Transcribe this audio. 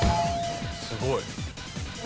すごい。